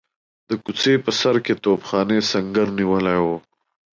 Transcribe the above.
د کوڅې په سر کې توپخانې سنګر نیولی وو.